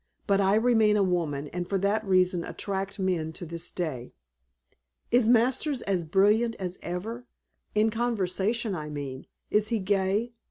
"But I remain a woman, and for that reason attract men to this day." "Is Masters as brilliant as ever in conversation, I mean? Is he gay?